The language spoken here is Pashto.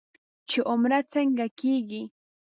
چې عمره څنګه کېږي.